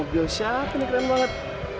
mobil siapa nih keren banget